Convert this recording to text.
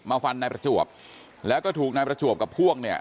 ฟันนายประจวบแล้วก็ถูกนายประจวบกับพวกเนี่ย